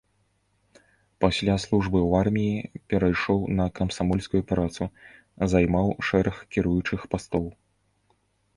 Пасля службы ў арміі перайшоў на камсамольскую працу, займаў шэраг кіруючых пастоў.